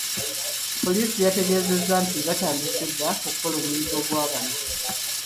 Poliisi yategeezezza nti, baatandise dda okukola omuyiggo gwa bano.